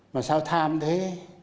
mà sao tham thế